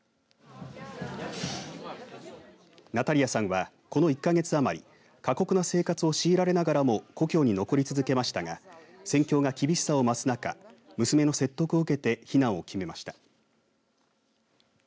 ナタリアさんは、この１か月余り過酷な生活を強いられながらも故郷に残り続けましたが戦況が厳しさを増す中、娘の説得を受けて避難を決めました。